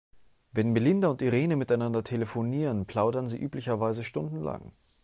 Wenn Melinda und Irene miteinander telefonieren, plaudern sie üblicherweise stundenlang.